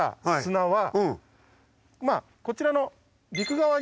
まあこちらの。